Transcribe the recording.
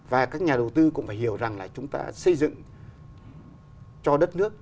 và các nhà đầu tư cũng phải hiểu rằng là chúng ta xây dựng cho đất nước